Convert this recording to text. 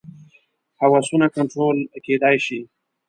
هوسونه کنټرول کېدای شي.